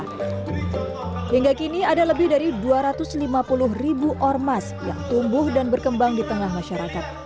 hingga kini ada lebih dari dua ratus lima puluh ribu ormas yang tumbuh dan berkembang di tengah masyarakat